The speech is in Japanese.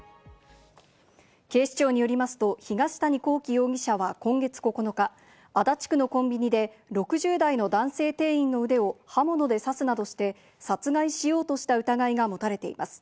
警視庁によりますと、東谷昂紀容疑者は今月９日、足立区のコンビニで６０代の男性店員の腕を刃物で刺すなどして殺害しようとした疑いが持たれています。